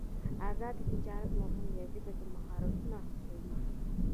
آزاد تجارت مهم دی ځکه چې مهارتونه هڅوي.